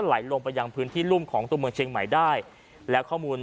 ไหลลงไปยังพื้นที่รุ่มของตัวเมืองเชียงใหม่ได้แล้วข้อมูล